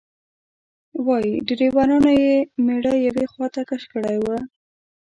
وایي ډریورانو یې میړه یوې خواته کش کړی و.